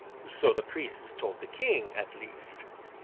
So the priests told the King, at least.